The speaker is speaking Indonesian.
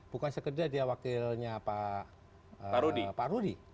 bukan sekedar dia wakilnya pak rudi